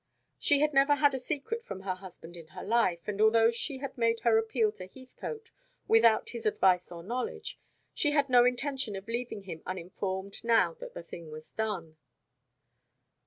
She had never had a secret from her husband in her life, and although she had made her appeal to Heathcote without his advice or knowledge, she had no intention of leaving him uninformed now that the thing was done.